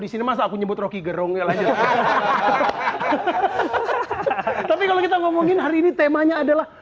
di sini masa aku nyebut rocky gerung ya lanjut tapi kalau kita ngomongin hari ini temanya adalah